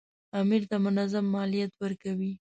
امیر ته منظم مالیات ورکوي.